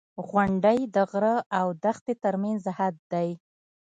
• غونډۍ د غره او دښتې ترمنځ حد دی.